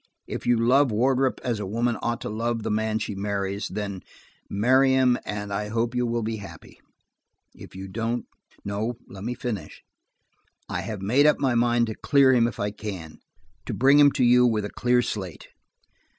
If you love Wardrop as a woman ought to love the man she marries, then marry him and I hope you will be happy. If you don't–no, let me finish. I have made up my mind to clear him if I can: to bring him to you with a clear slate.